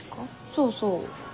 そうそう。